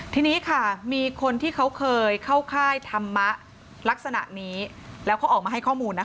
ทีนี้ค่ะมีคนที่เขาเคยเข้าค่ายธรรมะลักษณะนี้แล้วเขาออกมาให้ข้อมูลนะคะ